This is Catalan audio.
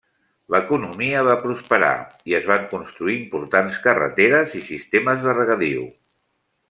L'economia va prosperar, i es van construir importants carreteres i sistemes de regadiu.